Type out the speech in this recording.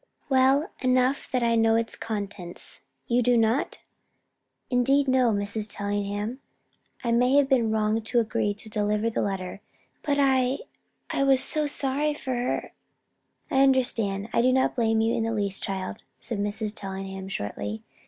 "Well. Enough that I know its contents. You do not?" "Indeed, no, Mrs. Tellingham. I may have done wrong to agree to deliver the letter. But I I was so sorry for her " "I understand. I do not blame you in the least, child," said Mrs. Tellingham, shortly.